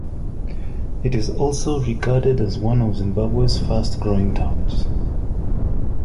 It is also regarded as one of Zimbabwes fast growing towns.